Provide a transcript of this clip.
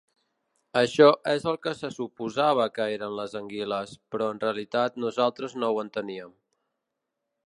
Això és el que se suposava que eren les anguiles, però en realitat nosaltres no ho enteníem.